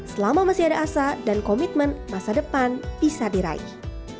selama masih ada asa dan komitmen masa depan bisa diraih